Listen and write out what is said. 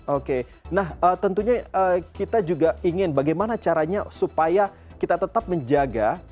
oke nah tentunya kita juga ingin bagaimana caranya supaya kita tetap menjaga